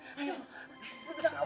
wakil luta besar amerika